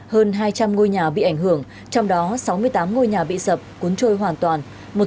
hơn hai trăm linh ngôi nhà bị ảnh hưởng trong đó sáu mươi tám ngôi nhà bị sập cuốn trôi hoàn toàn